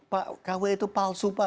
pak kw itu palsu pak